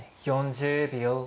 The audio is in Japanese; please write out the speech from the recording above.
４０秒。